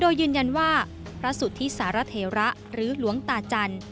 โดยยืนยันว่าพระสุทธิสารเทระหรือหลวงตาจันทร์